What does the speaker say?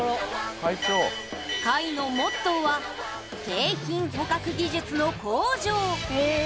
会のモットーは景品捕獲技術の向上。